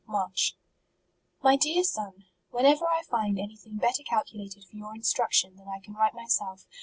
march; My Dear Sox, Whenever I find any thing bettek calculated for your instruction than I can write myself.